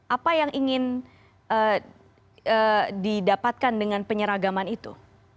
apa yang ingin didapatkan dengan penyeragaman itu